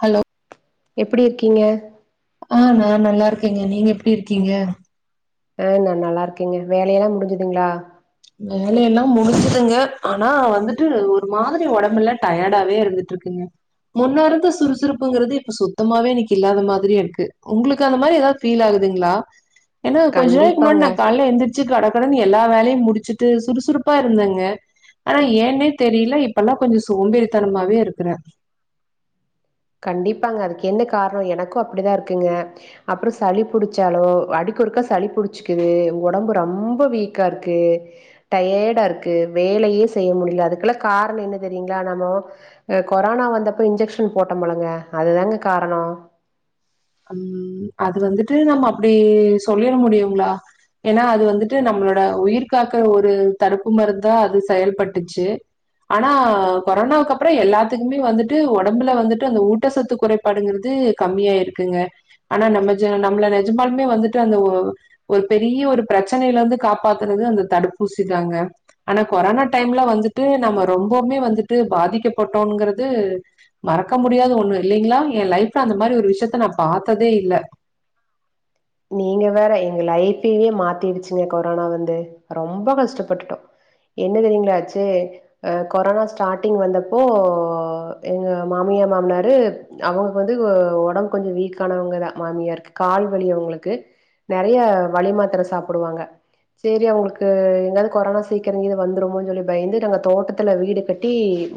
Hello எப்டி இருக்கீங்க ஆ நான நல்லா இருக்கங்க நீங்க எப்டி இருக்கீங்க ஆஹ் நான் நல்லா இருக்கங்க வேலையெல்லாம் முடிஞ்சுதுங்களா வேலய எல்லாம் முடிஞச்சதுங்க ஆனா வந்துட்டு ஒரு மாரி உடம்பு எல்லாம் டயர்டாவே இருந்துட்டு இருக்குங்க முன்ன இருந்த சுறுசுறுப்புங்கிறது இப்ப சுத்தமாவே இன்னைக்கு இல்லாத மாரி இருக்கு உங்களுக்கு அந்த மாரி ஏதாவது ஃபீல் ஆகுதுங்களா என்னா கோஞ்ச நாளைக்கு கண்டிப்பாங்க நான் கால எழுதுரிச்சு கடை கடை எல்லா வேலயும் முடிச் ச்ச சுறுசுறுப்பா இருந்தாங்க ஆனா ஏன்னே தெரியல இப்பெல்லாம் கொஞ்சம் சோம்பறித்தனமாவே இருக்கிறேன் கண்டிப்பாங்க அதுக்கு என்ன காரணம் எனக்கும் அப்டிதான் இருக்குங்க அப்பறம் சளி புடிச்சாலும் அடிக்கு அடுக்கா சளி புடிச்சுக்குது உடம்பு ரொம்ப வீக்கா இருக்கு டயர்டா இருக்கு வேலயே செய்ய முடியல அதுக்குெல்ல காரணம் என்ன தெரியுங்களா நம்ம கொரோனா வந்தப்ப இன்ஜெக்ஷன் போட்டம்ம்பழுங்க அதுதாங்க காரணம் ம் அது வந்துட்டு நம்ம அப்டி சொல்லிட முடியுங்களா ஏன்னா அது வந்துட்டு நம்மளோட உயிர் காாக்குற ஒரு தடுப்பு மருந்தா அது செயல்பட்டுச்சு ஆனா கொரோனாவுக்கு அப்பறம் எல்லாத்துக்குமே வந்துட்டு உடம்புல வந்துட்டு அந்த ஊட்ட சொத்து குறைபாடுங்கிறது கம்மியாிருக்கு இருக்கு ஆனா நம நம்ம நெஜமாலுமே வந்துட்டு அந்த ஒரு பெரிய ஒரு பிரச்சனையில இருந்து காப்பாத்துறது அந்த தடுப்பூசி தாங்க ஆனா கொரோனா டைம்ல வந்துட்டு நம்ம ரொம்பவுமே வந்துட்டு பாதிக்கப்பட்டோங்கிறது மறக்க முடியது ஒண்ணு இல்லங்களா என் லைஃப்ல அந்த மாரி ஒரு விஷயத்தை [unintelligible] நீங்க வேற எங்க லைஃப்பயே மாத்திடுச்சுங்க கொரோனா வந்து ரொம்ப கஷ்டப்பட்டுட்டோம் என்ன தெரியுங்களாச்சு அ கொரோனா ஸ்டார்ட்டிங் வந்தப்போ எங்க மாமியார் மாமனாரு அவங்க வந்து உடம்ப கொஞ்சம் வீக் ஆனவங்கதான் மாமியாருக்கு கால் வலி அவங்களுக்கு நெறைய வலி மாத்திர சாப்பிடுவாங்க செரி அவங்களுக்கு எங்காவது கொரோனா சீக்கிரம் வந்தும சொல்லி பயந்து நாங்க தோட்டத்துல வீடு கட்டி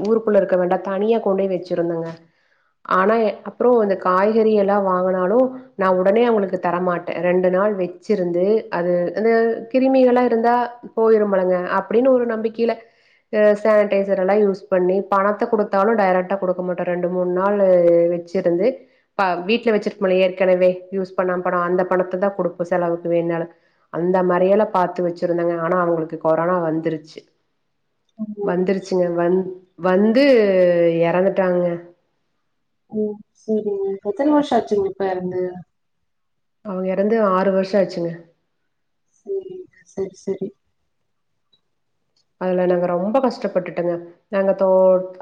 ஊருக்குள்ள இருக்க வேண்டாம் தனியா கொண்டுய் வச்சிருந்தங்க ஆனா அப்பறம் இந்த காய்கறி எல்லாம் வாங்கினாலும் நான் உடனே அவங்களுக்கு தர மாட்டேன் ரெண்டு நாள் வச்சிருந்து அது கிருமிகல்லாம் இருந்தா போயிருமல்லிங்க அப்டின்னு ஒரு நம்பிக்கையில சானடைசர் எல்லாம் யூஸ் பண்ணி பணத்தை கொடுத்தாலும் டைரகா கொடுக்க மாட்டோம் ரெண்டு மூணு நாள் அந்த பணத்தை தான் கொடுப்ப செலவுக்கு வேனும்னாலும் அந்த மாதிரிய எல்லாம் பாார்த்து வச்சிருந்தாங்க ஆனா அவங்களுக்கு கொரோனா வந்துருச்சு ம், வந்துருச்சுங்க வந்த் வந்து இறந்துட்டாங்க ம் செரிங்க எத்தனை வருஷம் ஆச்சு அப்பா இருந்து அவங்க இறந்து ஆறு வருஷம் ஆச்சுங்க ம் செரி செரி செரி அதுல நாங்க ரொம்ப கஷ்டப்பட்டுட்டோங்க நாங்க தோ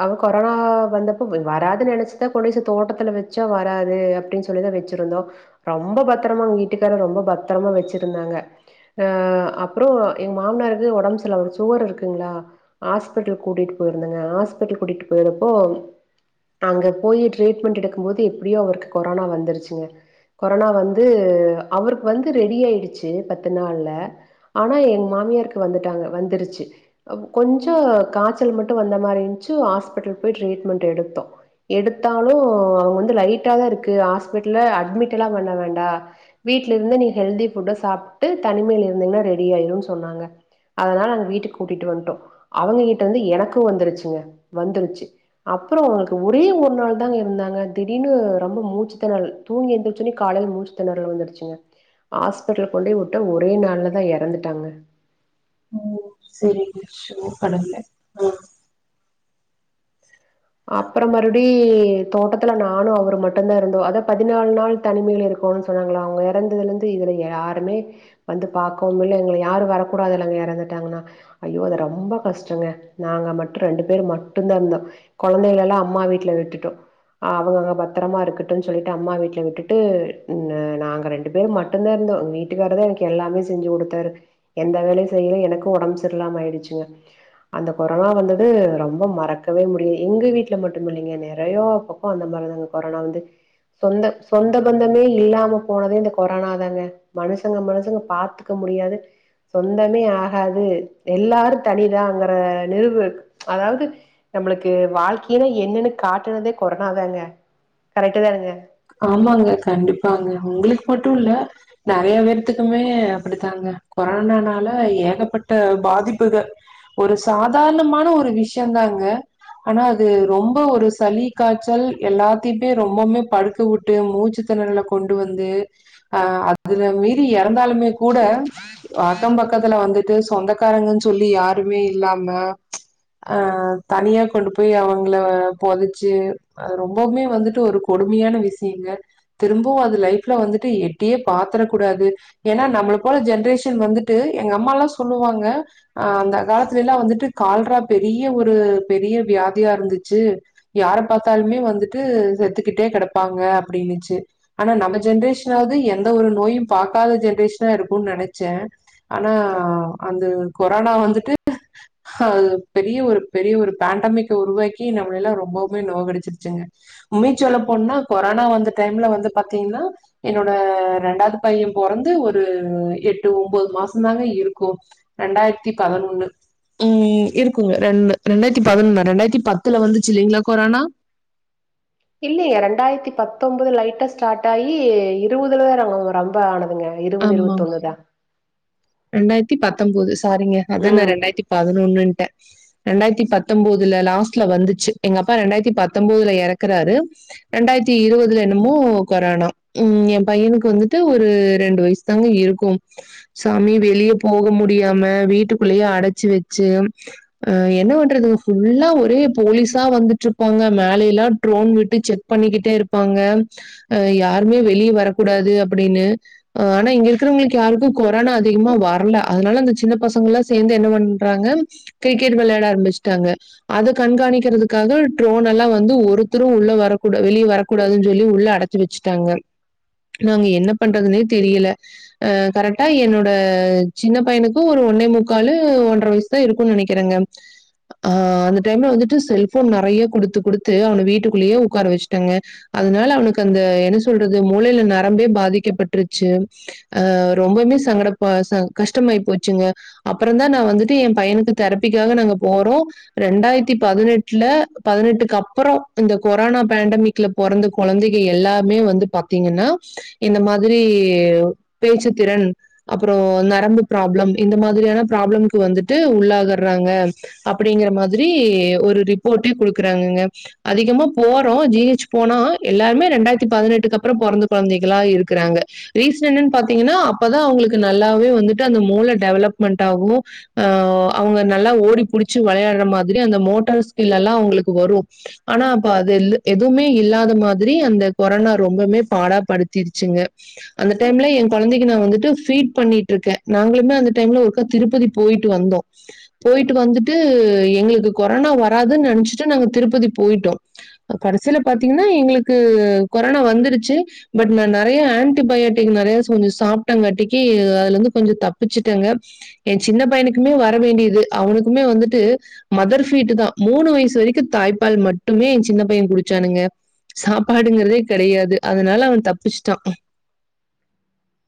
அவங்க கொரோனா வந்தப்ப வராதுன்னு நினைச்சுதான் கொண்ட தோட்டத்துல வச்சா வராது அப்டின்னு சொல்லிதான் வச்சிருந்தோம் ரொம்ப பத்திரமா வீட்டுக்கார ரொம்ப பத்திரமா வச்சிருந்தாங்க அ அப்பறம் எங்க மாமனாருக்கு உடம்பு சில வச்சு சுகர் இருக்குங்களா ஹாஸ்பல் கூட்டிட்டு போயிருந்தங்க ஹாஸ்ப கூட்டிட்டு போயறப்போ அங்க போய் ட்ரீட்மெண்ட் எடுக்கும் போது எப்டியோ அவருக்கு கொரோனா வந்துருச்சுங்க கொரோனா வந்து அவருக்கு வந்து ரெடி ஆயிடுச்சு பத்து நாள்ல ஆனா எங்க மாமியருக்கு வந்துட்டாங்க வந்து கொஞ்சம் காய்ச்சல் மட்டும் வந்த மாரி இருந்துச்சு ஹாஸ்பிடல் போய் ரிச்மெண்ட் எடுத்தோம் எடுத்தாலும் அவங்க வந்து லைட்டா தான் இருக்கு ஹாஸ்பிடல் அட்மிட் பண்ணாங்கடா வீட்ல இருந்து ஹெல்த் ஃட்டி சாப்டு தனிமையில இருந்தா ரெடியாடூம் கூட்டிட்டு வந்துட்டோம் அவங்க கிட்ட வந்து எனக்கும் வந்துருச்சுங்க வந்துருச்சு அப்பறம் அவங்களுக்கு ஒரே ஒரு நாள் தான் இருந்தாங்க திடீனு ரொம்ப மூச்சு திணல் தூங்கி ஏந்துச்சனே காலையில் மூச்சு திணறல வந்துருச்சுங்க ஹாஸ்பிட்டல் கொண்டு விட்ட ஒரே நாள்லதான் இறந்துட்டாங்க ஓ செரி சோச கடவுளே அப்பறம் மறுபடி தோட்டத்துல நானும் அவர் மட்டும்தான் இருந்தோம் அத பதினாலு நாள் தனிமையில் இருக்கோம் சொன்னாங்களா அவங்க இறந்ததுல இருந்து இதுல யாருமே வந்து பாக்கவும்ல்ல எங்களை யாரும் வரக்கூடாதுல அங்க இறந்துட்டாங்கன்னா ஐயோ அத ரொம்ப கஷ்டங்க நாங்க மட்டும் ரெண்டு பேர் மட்டும்தான் இருந்தோம் குழந்தைகள் எல்லாம் அம்மா வீட்டில் விட்டுட்டோம் அவங்க அங்கே பத்திரமா இருக்கட்டும்ன்னு சொல்லிட்டு அம்மா வீட்டல விட்டுட்டு நாங்க ரெண்டு பேர் மட்டும்தான் இருந்தோம் வீட்டுக்கார தான் எனக்கு எல்லாமே செஞ்சு கொடுத்தாரு எந்த வேலயும் செய்யல எனக்கு உடம்பு சிரலாம ஆயிடுச்சுங்க அந்த கொரோனா வந்தது ரொம்ப மறக்கவே முடியாது எங்க வீட்டுல மட்டும் இல்லங்க நெறைய பக்கம் அந்த மாரிதாங்க கொரோனா வந்து சொந்த சொந்த பந்தமே இல்லாம போனதே இந்த கொரோனா தாங்க மனுசங்க மனுசங்க பாத்தக்க முடியாது சொந்தமே ஆகாது எல்லாரும் தனிதாங்கற நிறவு இருக்கு அதாவது நம்மளுக்கு க்கு வாழ்க்கைய என்னன்னு காட்டுனதே கொரனாாதாங்க கரெக்ட தான் இருங்க ஆமாங்க கண்டிப்பாங்க உங்களுக்கு மட் மட்டும் இல்ல நெறைய பேரத்துக்குமே அப்டித்தாங்க கொரனனால ஏகப்பட்ட பாதிப்புகள் ஒரு சாதாரணமான ஒரு விஷயம் தாங்க ஆனா அது ரொம்ப ஒரு சளி காய்ச்சல் எல்லாத்துமே ரொம்பமே படு த்து விட்டு மூச்சு திண்ணல கொண்டு வந்து அ அதுல மீறி இறந்தாலுமே கூட அக்கம் பக்கத்துல வந்துட்டு சொந்தக்காரங்கன்னு சொல்லி யாருமே இல்லாம அ தனியா கொண்டு போய் அவங்கள பொதைச்சு ரொம்பமே வந்துட்டு ஒரு கொடுமையான விஷ சிரிங்க திரும்பவும் அது லைஃப்ல வந்துட்டு எட்டியே பாத்திரக்க கூடாது ஏன்னா நம்மள போல ஜென்ரேஷன் வந்துட்டு எங்க அம்மா எல்லாம் சொல்லுவாங்க ஆ அந்த காலத்துல எல்லாம் வந்துட்டு கால்ரா பெரிய ஒரு பெரிய வியாதியா இருந்துச்சு யார பாத்தாலுமே வந்துட்டு செத்துக்கிட்டே கிட நாங்க அப்டின்னுச்சு ஆனா நம்ம ஜென்ரேஷனாவது எந்த ஒரு நோயும் பாக்காத ஜென்ரேஷனா இருக்கும்ன்னு நினைச்சேன் ஆனா அந்த கொரோனா வந்துட்டுஹ் பெரிய ஒரு பெரிய ஒரு பேண்டமிக்கை உருவாக்கி நம்மள எல்லாம் ரொம்பவுமே நோய் கடிச்சிருச்சுங்க உமிச்சோல்ல போனா கொரோனா வந்த டைம்ல வந்து பாத்தீங்கன்னா என்னோட ரெண்டாவது பையன் பிறந்து ஒரு எட்டு ஒன்பது மாசம் தாங்க இருக்கும் ரெண்டாயிரத்தி பதினொன்னு ம் இருக்குங்க ரெண்டு ரெண்டாயிரத்தி பதினொன்னு ரெண்டாயிரத்தி பத்துல வந்துச்சு இல்லங்களா கொரோனா இல்லங்க ரெண்டாயிரத்தி பத்தொன்பது லைட்டா ஸ்டார்ட் ஆகி இருபதுலதான் ரொம்ப ஆன இங்க இருபது இரு ஒண்ணுதால ரெண்டாயிரத்தி பத்தொன்பதுஸ் சாரீங்க அதங்க ம். ரெண்டாயிரத்தி பதினொன்னுட்டேன் ரெண்டாயிரத்தி பத்தொன்பதுல லாஸ்ட்ல வந்துச்சு எங்க அப்பா ரெண்டாயிரத்தி பத்தொன்பதுல இறக்குறாரு ரெண்டாயிரத்தி இருபதுல என்னமோ கொரோனா உம் என் பையனுக்கு வந்துட்டு ஒரு ரெண்டு வயசு தாங்க இருக்கும் சாமி வெளியே போக முடியாம வீட்டுக்குள்ளயே அடைச்சு வச்சு அ என்ன பண்றது ஃபுல்லா ஒரே போலீஸா வந்துட்டு இருப்பாங்க மேலய எல்லாம் ட்ரோன் விட்டு செக் பண்ணிக்கிட்டே இருப்பாங்க அ யாருமே வெளியே வரக்கூடாது அப்டின்னு ஆனா இங்க இருக்கிறவங்களுக்கு யாருக்கும் கொரோனா அதிகமா வரல அதனால அந்த சின்ன பசங்க எல்லாம் சேர்ந்து என்ன பண்றாங்க கிரிக்கெட் விளையாட ஆரம்பிச்சுட்டாங்க அத கண்காணிக்கிறதுக்காக ட்ரோன் எல்லாம் வந்து ஒருத்தரும் உள்ள வரக்கூட வெளிய வரக்கூடாதுன்னு சொல்லி உள்ள அடச்சி வச்சுட்டாங்க நாங்க என்ன பண்றதுன்னே தெரியலஹ கரெக்டா என்னோட சின்ன பையனுக்கும் ஒரு ஒன்னே முக்கால் ஒன்றரை வயசு தான் இருக்கும் நினைக்கிறேங்க ஆஅந்த டைம்ல வந்துட்டு செல்போன் நெறைய கொடுத்து குடுத்து அவன் வீட்டுக்குள்ளேயே உடக்கார வச்சுட்டாங்க அதனால அவனுக்கு அந்த என்ன சொல்றது மூளையில நரம்பே பாதிக்கப்பட் அ ரொம்பே சங்கட கஷ்டமாயி போச்சுங்க அப்பறம் தான் நான வந்துட்டு என் பையனுக்கு தெரப்பிக்காக நாங்க போறோம் ரெண்டாயிரத்தி பதினெட்டுல பதினெட்டுக்கு அப்பறம் இந்த கொரோனா பேண்டமிக்ல பிறந்த குழந்தைகள் எல்லாமே வந்து பாத்தீங்கன்னா இந்த மாரி உரி பேச்சு திறன் அப்பறம் நரம்பு ப்ராப்ளம் இந்த மாரியான ப வந்துட்டு உள்ளாகறாங்க அப்டிங்கற மாரி ஒரு ரிப்போர்ட்டே குடுக்கறாங்க அதிகமா போறோம் ஜிஹச் போனா எல்லாருமே ரெண்டாயிரத்தி பதினெட்டுக்கு அப்பறம் பிறந்த குழந்தைகளா இருக்கு ரிசணபுள் அப்தான் அவளுக்கு நல்லாவே வந்து அந்த மூல டெவலமெண்ட் ஆகும் அவங்க நல்லா ஓடி பிடிச்சு விளையாடுற மாரி அந்த மோட்டார் ஸ்கிள் அவங்களுக்கு வரும் ஆனா எதுவுமே இல்லாத மாரி அந்த கொரோனா ரொம்பவே பாடாப்படுத்தி அந்த டைம்ல குழந்தை வட ஃபிட் பண்ணிட்டு இருக்கேன் நாங்களும் தான் திருப்பதி போயிட்டு வந்தோம் போயட்டு வந்துட்டு எங்களுக்கு கொரோனா வராதுன்னு நினச்ச நாங்க திருப்பதி போயிட்டோம் கடசியில பாத்தீங்கன்னா எங்களுக்கு கொரோனா வந்துருச்சு பட் நெறைய ஆன்டிபயாட்டிக் நெறைய கொஞ்சம் சாப்பட்டங்கட்டிக்கு அதுல இருந்து கொஞ்சம் தப்பிச்சுட்டேங்க என் சின்ன பையனுக்குமே வர வேண்டியது அவனுக்குமே வந்துட்டு மதர் பீட் தான் மூணு வயசு வரைக்கும் தாய்ப்பால் மட்டுமே என் சின்ன பையன் குடிச்சானுங்க சாப்பாடுங்கறதே கெடையாது அதனால அவன் தப்பிச்சான் இஷ்டம்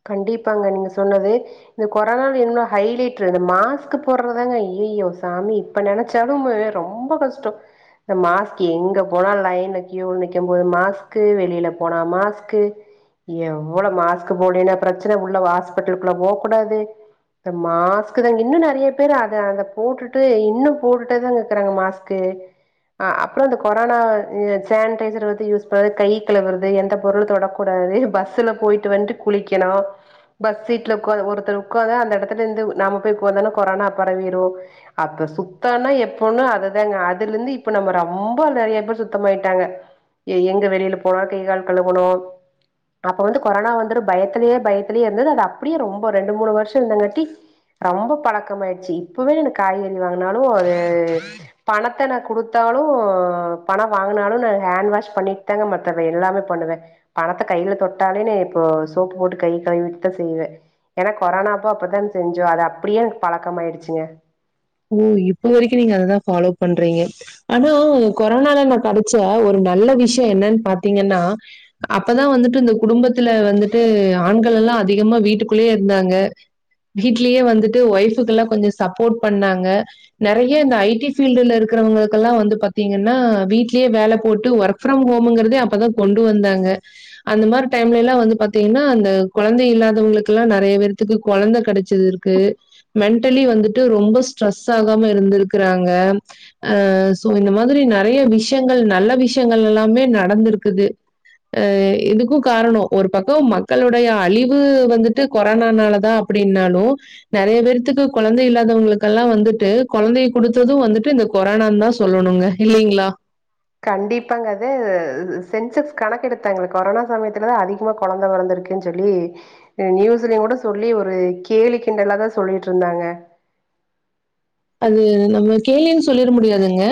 கண்டிப்பாங்க நீங்க சொன்னது இந்த கொரோனா இவளோ ஹைட் இரு மாஸ் போடுறதாங்க யோ சாமி இப்ப நினைச்சாலும்ம ரொம்ப கஷ்டம் இந்த மாஸ் எங்க போனா லைன்ல கீல நிக்கும்போது மாஸ் வெளியல போனா மாஸ எவ்வளவு மாஸ் மூளையில பிரச்சனை உள்ள ஹாஸ்பிட்டலுக்குள்ள போகக்கூடாது மாஸ்க் தாங்க இன்னும் நெறைய பேரு அத அதை போட்டுட்டு இன்னும் போட்டுட்டே தாங்க இருக்குறாங்க மாஸ்க்கு் அப்பறம் அ கொரோனா சானிடைசர் வ யூஸ் பது கை களவு வருது எந்த பொருள் தொடக்கூடாது பஸ்ஸல போயிட்டு வந்து குளிக்கும் பஸ் சீடல உ ஒருத்தர் உட்காந்துந்த அந்த இடத்துல இருந்து நாம போய் உட்கந்தோா கொரோனா பரவிரும் அப்ப சுத்தம்னா எப்ப அதுதாங்க அதுல இருந்து இப்ப நம்ம ரொம்ப நெறைய பேர் சுத்தமாயிட்டாங்க எங்க வெளியில போனோ கை கால் கழுகனும் அப்ப வந்து கொரோனா வந்து பயத்திலயே பயத்தில இருந்தது அது அப்டியே ரொம்ப ரெண்டு மூணு வருஷம் இருந்தங்காட்டி ரொம்ப பழக்கமயிடுச்சு இப்வே என காய்கறி வாங்கினாலும் அது பணத்தை நான கொடுத்தாலும் பணம் வாங்கினாலும் நான ஹேண்ட் வாஷ் பண்ணிட்டு தாங்க மான் எல்லாமே பண்ணுவேன் பணத்தை கையில தொட்டாலே இப்போ சோப்பு போட்டு கை கழுவிட்டு தான் செய்வேன் ஏன்னா கொரனாப்போ அப்தான் செஞ்சோம் அது அப்டியே பழக்கம் ஆயிடுச்சுங்க ஓ இப்ப வரைக்கும் நீங்க அததான் பஃபாலோ பண்றீங்க ஆனா கொரோனால நான கெடைச்ச ஒரு நல்ல விஷயம் என்னன்னு பாத்தீங்கன்னா அப்தான் வந்துட்டு இந்த குடும்பத்தை இதுல வந்துட்டு ஆண்கள் எல்லாம் அதிகமா வீட்டுக்குள்ளேயே இருந்தாங்க வீடலயே வந்துட்டு ஒயஃபுக்கு எல்லாம் கொஞ்சம் சப்போர்ட் பண்ணுங்க பா நிற ஐடி பீல இருக்கிறவங்கெல்லாம் வந்து பாத்தீங்கன்னா வீடலயே வேல போட்டு ஒர்க்ம் ஹோம்ங்க அப்தான் கொண்டு வந்தாங்க அந்த மாரி குழந்தை இல்லாதவங்களுக்குல்லாம் நெறைய பேத்துக்கு குழந்தை கெடைச்சது இருக்கு மெண்டலி வந்துட்டு ரொம்ப ஸ்ரெஸ்சு ஆகாம இருந்திருக்கறாங்க இந்த மாரி நெறைய விஷயங்கள் நல்ல விஷயங்கள் எல்லாமே நடந்திருக்குது ஆ இதுக்கும் காரணம் ஒரு பக்கம் மக்களுடைய அழிவு வந்துட்டு கொரோனால தான் அப்டின்னாலும் நெறைய பேத்துக்கு குழந்தை இல்லாத மத்தவங்களுக்கெல்லாம் வந்துட்டு குழந்தைய குடுத்ததும் வந்துட்டு இந்த கொரோனான் தான் சொல்லணுங்க இல்லலங்களா கண்டிப்பாங்க சென்செக்ஸ் கணக்கு எடுத்தாங்க கொரோனா சமயத்துலதான் அதிகமா குழந்தை பிறந்திருக்குன்னு சொல்லி நியூஸ்லயும் கூட சொல்லி ஒரு கேலி கிண்டல்லாதான் சொல்லிட்டு இருந்தாங்க அது நம்ம கேள்னு சொல்லிட முடியாதுங்க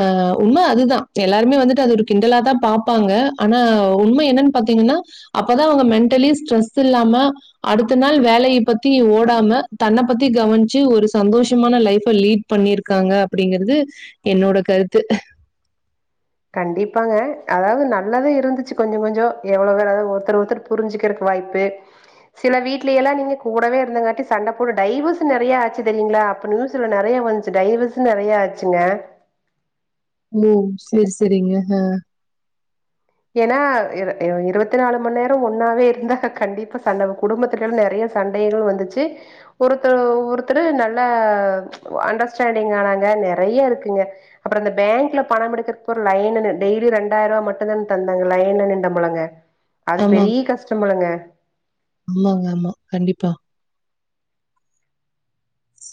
ஆஹ் உண்மை அதுதான் எல்லாருமே வந்துட்டு அது ஒரு கிண்டலா தான் பாப்பாங்க ஆனா உண்மை என்னன்னு பாத்தீங்கன்னா அப்பதான் அவங்க மென்டலி ஸ்ட்ரெஸ் இல்லாம அடுத்த நாள் வேலைய பத்தி ஓடாம தன் பத்தி கவனிச்சு ஒரு சந்தோஷமான லைப் இப்ப லீட் பண்ணிருக்காங்க அப்படிங்கிறது என்னோட கருத்து கண்டிப்பாங்க அதாவது நல்லதான் இருந்துச்சு கொஞ்சம் கொஞ்சம் எவ்வளவு வேற ஏாவது ஒருத்தர் ஒருத்தர் புரிஞ்சுக்கிறதுக்கு வாய்ப்பு சில வீட்ல எல்லாம் நீங்க கூடவே இருந்தங்காட்டி சண்டை போட்டு டைவஸ் நிறைய ஆச்சு தெரியங்களா அப்ப நியூஸ்ல நிறைய வந்துச்சு டைவஸ் நிறைய ஆச்சுங்க ஓ சரி சரிங்க அஹ் ஏன்னா இருபத்தி நாலு மணி நேரம் ஒன்னாவே இருந்தா கண்டிப்பா சண்டை குடும்பத்துல நிறைய சண்டைகளும் வந்துச்சு ஒருத்தர் ஒருத்தர் நல்லா அண்டர்ஸ்டாண்டிங் ஆனாங்க நிறைய இருக்குங்க அப்புறம் அந்த பேங்க்ல பணம் எடுக்கிறப்ப ஒரு லைன் டெய்லி ரெண்டாயிரம் ரூபா மட்டும் தான் தந்தாங்களா லயன்ல நின்ணோமுல்லங்க அது ஆமா, பெரிய கஷ்டம் முல்லங்க [inaudible] ஆமாங்க ஆமா கண்டிப்பா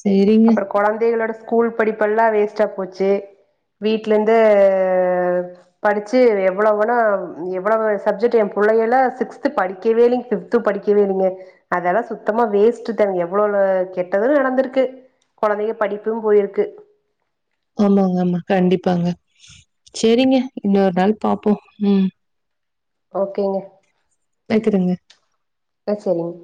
சரிங்க. அப்புறம் குழந்தைகளோட ஸ்கூல் படிப்பு எல்லாம் வேஸ்டா போச்சு வீட்ல இருந்து படிச்சு எவ்வளவு வேணா எவ்வளவு சப்ஜெக்ட் என் பிள்ளை எல்லாம் சிக்ஸ்து படிக்கவே இல்லைங்க பிப்த் படிக்கவே இல்லைங்க அதெல்லாம் சுத்தமா வேஸ்ட் எனக்கு எவ்வளோவோ கெட்டது நடந்திருக்கு குழந்தைங்க படிப்பும் போயிருக்கு ஆமாங்க ஆமா கண்டிப்பாங்க சரிங்க இன்னொரு நாள் பாப்போம் உம் ஓகேங்க வைக்கிறேங்க. அ சரிங்க